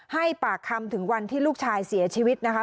ให้ปากคำถึงวันที่ลูกชายเสียชีวิตนะคะ